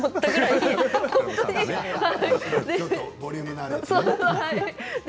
ちょっとボリュームのあるやつね。